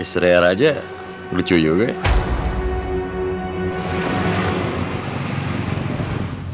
istri raja lucu juga ya